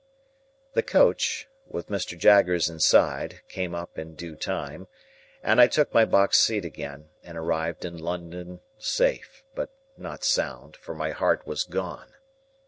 The coach, with Mr. Jaggers inside, came up in due time, and I took my box seat again, and arrived in London safe,—but not sound, for my heart was gone.